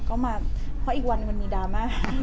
ก็มาเพราะอีกวันมันมีดาร์มา